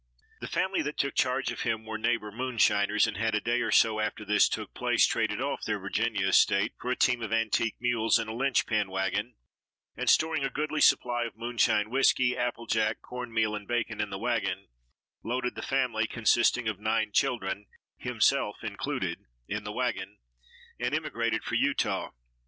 The family that took charge of him were neighbor moonshiners and had a day or so after this took place traded off their Virginia estate for a team of antique mules and a linch pin wagon, and storing a goodly supply of moonshine whiskey, apple jack, corn meal and bacon in the wagon, loaded the family, consisting of nine children, himself included, in the wagon, and immigrated for Utah.